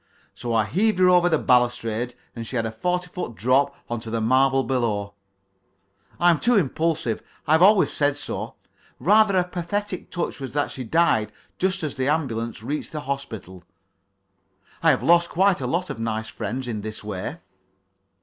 So I heaved her over the balustrade and she had a forty foot drop on to the marble below. I am too impulsive I have always said so. Rather a pathetic touch was that she died just as the ambulance reached the hospital. I have lost quite a lot of nice friends in this way.